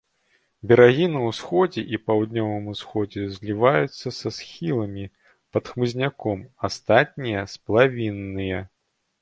Берагі на ўсходзе і паўднёвым усходзе зліваюцца са схіламі, пад хмызняком, астатнія сплавінныя.